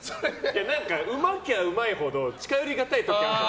うまきゃうまいほど近寄りがたい時ある。